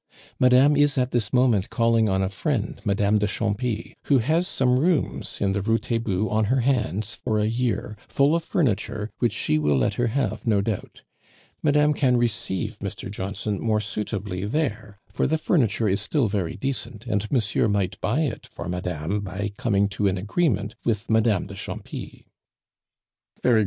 "Madame is at this moment calling on a friend, Madame de Champy, who has some rooms in the Rue Taitbout on her hands for a year, full of furniture, which she will let her have, no doubt. Madame can receive Mr. Johnson more suitably there, for the furniture is still very decent, and monsieur might buy it for madame by coming to an agreement with Madame de Champy."